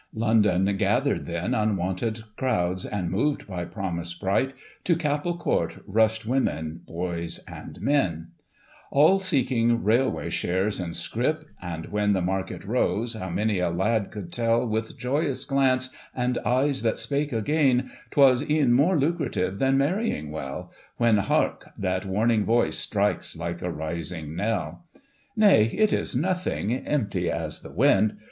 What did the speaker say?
London gathered then Unwonted crowds, and moved by promise bright, To Capel Court rushed women, boys and men, ft. Digitized by Google 278 GOSSIP. [1845 All seeking railway shares and scrip ; and when The market rose, how many a lad could tell With joyous glance, and eyes that spake again, 'Twas e'en more luciative than marrying well ;— When, hark, that warning voice strikes like a rising knell. Nay, it is nothing, empty as the wind.